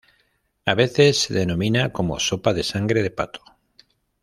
A veces se denomina como "Sopa de sangre de pato".